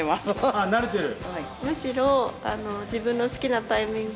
あっ慣れてる？